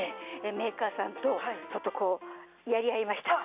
メーカーさんとちょっとこうやり合いました。